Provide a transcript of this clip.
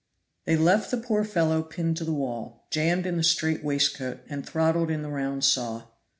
They left the poor fellow pinned to the wall, jammed in the strait waistcoat, and throttled in the round saw.